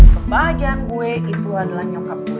kebahagiaan gue itu adalah nyokap gue